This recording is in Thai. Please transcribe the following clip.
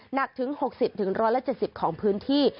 หนักถึง๖๐๑๗๐ของพื้นที่